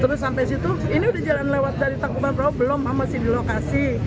terus sampai situ ini udah jalan lewat dari tangkuban bro belum sama sih di lokasi